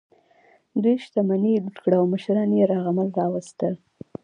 دوی شتمني یې لوټ کړه او مشران یې یرغمل راوستل.